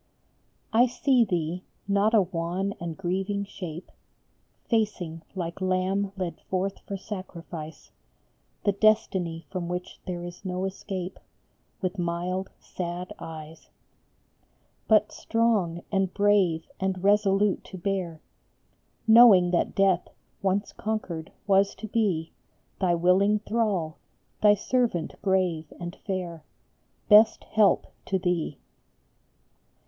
I see thee, not a wan and grieving shape, Facing, like lamb led forth for sacrifice, The destiny from which is no escape, With mild, sad eyes, But strong and brave and resolute to bear, Knowing that Death, once conquered, was to be Thy willing thrall, thy servant grave and fair, Best help to thee ! CHRIST BEFORE PILATE.